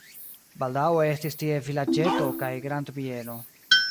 Baldaŭe estis tie vilaĝeto kaj grandbieno.